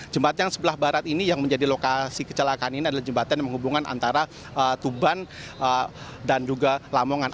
jembatan yang sebelah barat ini yang menjadi lokasi kecelakaan ini adalah jembatan yang menghubungkan antara tuban dan juga lamongan